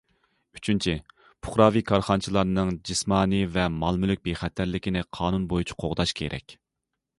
ئۈچىنچى، پۇقراۋى كارخانىچىلارنىڭ جىسمانىي ۋە مال- مۈلۈك بىخەتەرلىكىنى قانۇن بويىچە قوغداش كېرەك.